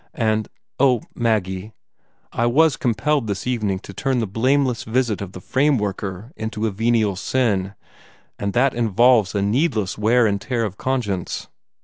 And oh, Maggie I was compelled this evening to turn the blameless visit of the framemaker into a venial sin, and that involves a needless wear and tear of conscience.